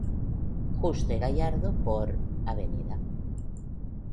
Justo y Gallardo por: Av.